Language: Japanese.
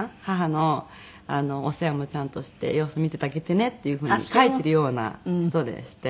「母のお世話もちゃんとして様子見ててあげてね」っていう風に書いてるような人でして。